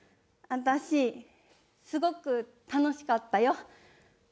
私すごく楽しかったよ。